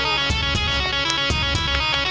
lo sudah bisa berhenti